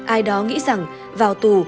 ai đó nghĩ rằng vào tù